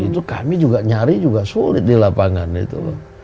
itu kami juga nyari juga sulit di lapangan itu loh